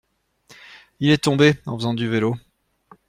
Il est tombé en faisant du vélo.